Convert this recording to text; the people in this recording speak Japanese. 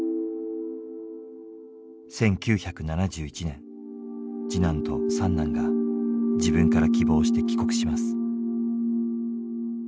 １９７１年次男と三男が自分から希望して帰国します。